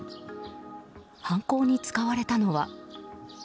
犯行に使われたのは。